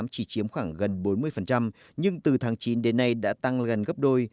chỉ chiếm khoảng gần bốn mươi nhưng từ tháng chín đến nay đã tăng gần gấp đôi